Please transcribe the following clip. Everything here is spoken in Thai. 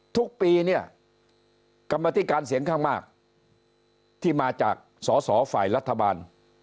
ทุกปีเนี่ยกรรมธิการเสียงข้างมากที่มาจากสอสอฝ่ายรัฐบาล